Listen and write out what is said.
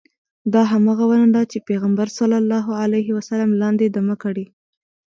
دا همغه ونه ده چې پیغمبر صلی الله علیه وسلم لاندې دمه کړې.